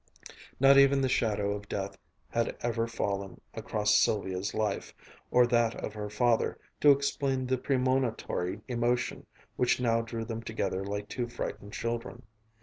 _" Not even the shadow of death had ever fallen across Sylvia's life, or that of her father, to explain the premonitory emotion which now drew them together like two frightened children.